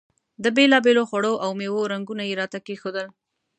د بېلابېلو خوړو او میوو رنګونه یې راته کېښودل.